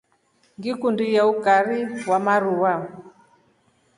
Ngikundi ilya ukari wa maruva.